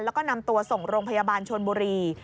แล้วก็นำตัวส่งโรงพยาบาลชนบุรี